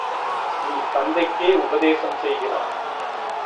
நீ தந்தைக்கே உபதேசம் செய்கிறாய்.